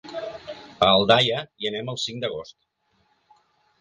A Aldaia hi anem el cinc d'agost.